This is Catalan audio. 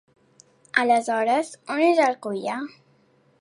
Aleshores, on és el collar?